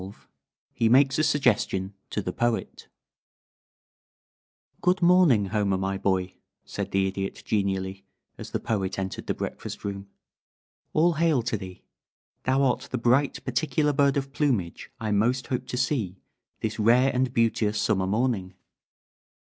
XII HE MAKES A SUGGESTION TO THE POET "Good morning, Homer, my boy," said the Idiot, genially, as the Poet entered the breakfast room. "All hail to thee. Thou art the bright particular bird of plumage I most hoped to see this rare and beauteous summer morning.